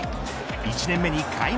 １年目に開幕